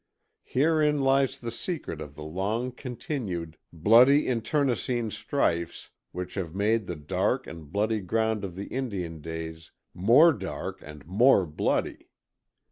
Herein lies the secret of the long continued, bloody internecine strifes which have made the dark and bloody ground of the Indian days more dark and more bloody.